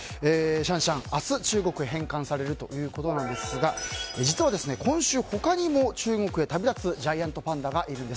シャンシャンは明日、中国へ返還されるということですが実は今週、他にも中国に旅立つジャイアントパンダがいるんです。